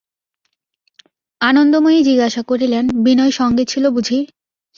আনন্দময়ী জিজ্ঞাসা করিলেন, বিনয় সঙ্গে ছিল বুঝি?